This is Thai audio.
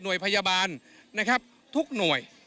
พยาบาลนะครับทุกหน่วย